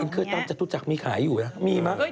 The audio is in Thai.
ไม่ฉันเห็นเคยตามจตุจักรมีขายอยู่นะมีมั้ย